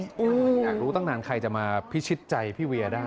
อยากรู้ตั้งนานใครจะมาพิชิตใจพี่เวียได้